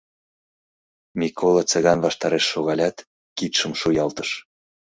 Микола Цыган ваштареш шогалят, кидшым шуялтыш.